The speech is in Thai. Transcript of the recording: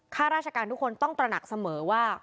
ข้าราชการทุกคนต้องตระหนักเสมอว่า